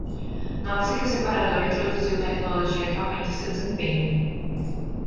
Note-se que o separador introduziu tecnologia que aumenta seu desempenho.